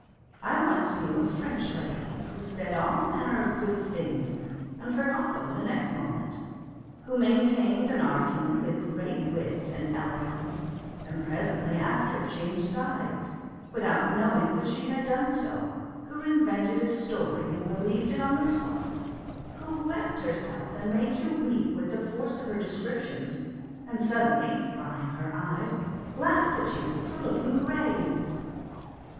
I once knew a French lady who said all manner of good things and forgot them the next moment ; who maintained an argument with great wit and eloquence, and presently after changed sides, without knowing that she had done so ; who invented a story and believed it on the spot ; who wept herself and made you weep with the force of her descriptions, and suddenly drying her eyes, laughed at you for looking grave.